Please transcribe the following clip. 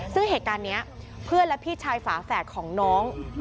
ซึ่งเหตุการณ์นี้เพื่อนและพี่ชายฝาแฝดของน้อง